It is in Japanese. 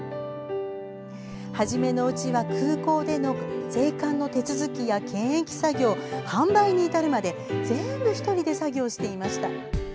初めのうちは、空港での税関の手続きや、検疫作業販売に至るまで全部１人で作業していました。